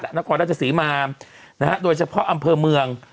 แล้วก็จะสีมาโดยเฉพาะอำเภอเมือง